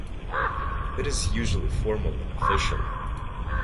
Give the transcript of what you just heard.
It is usually formal and official.